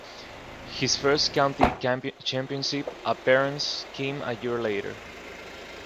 His first County Championship appearance came a year later.